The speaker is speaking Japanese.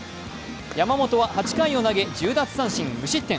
山本は８回を投げ１０奪三振、無失点。